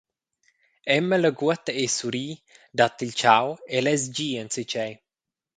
Emma laguota e surri, dat il tgau e less dir enzatgei.